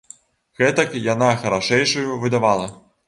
Гэтак яна харашэйшаю выдавала.